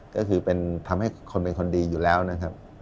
ก็คือเป็นทำให้คนเป็นคนดีอยู่แล้วนะครับ